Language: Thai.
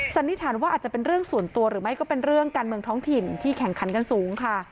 สันนิษฐานว่าอาจจะเป็นเรื่องส่วนตัวหรือไม่ก็เป็นเรื่องการเมืองท้องถิ่นที่แข่งขันกันสูงค่ะ